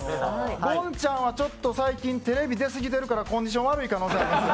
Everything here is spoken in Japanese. ゴンちゃんはちょっと最近テレビ出すぎてるからコンディション悪い可能性ありますよ。